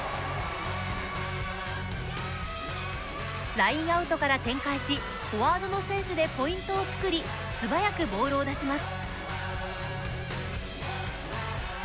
ラインアウトから展開しフォワードの選手でポイントを作り素早くボールを出します。